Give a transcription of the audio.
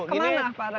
kemana pak rat